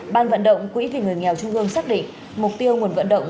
ban vận động quỹ vì người nghèo trung ương xác định mục tiêu nguồn vận động